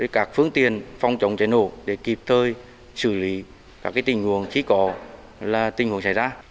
các phương tiện phòng chống cháy nổ để kịp thời xử lý các tình huống chỉ có là tình huống cháy ra